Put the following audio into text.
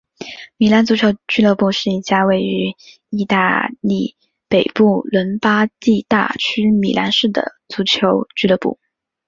米兰足球俱乐部是一家位于义大利北部伦巴第大区米兰市的足球俱乐部。